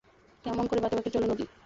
কেমন করে বাঁকে বাঁকে চলে নদী?